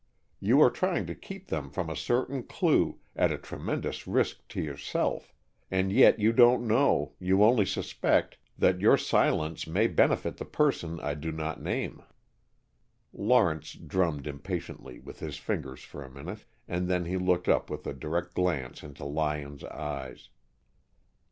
You are trying to keep them from a certain clue, at a tremendous risk to yourself, and yet you don't know, you only suspect, that your silence may benefit the person I do not name." Lawrence drummed impatiently with his fingers for a minute, and then he looked up with a direct glance into Lyon's eyes.